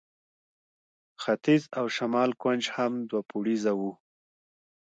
ختیځ او شمال کونج هم دوه پوړیزه وه.